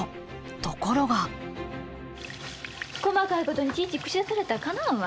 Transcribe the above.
ところが細かいことにいちいち口出されたらかなわんわ。